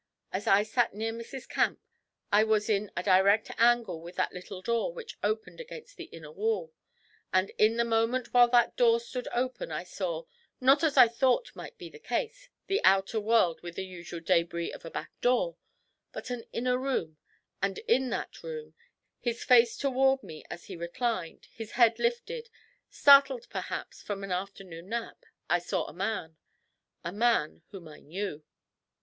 As I sat near Mrs. Camp, I was in a direct angle with that little door which opened against the inner wall, and in the moment while that door stood open I saw, not, as I thought might be the case, the outer world with the usual débris of a 'back door,' but an inner room, and in that room, his face toward me as he reclined, his head lifted, startled perhaps from an afternoon nap, I saw a man a man whom I knew.